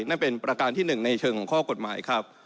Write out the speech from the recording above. นั่นเป็นประการที่๑ในเชิงของข้อกฎหมายครับ